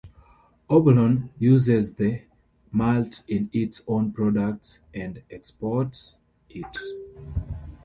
Obolon uses the malt in its own products and exports it.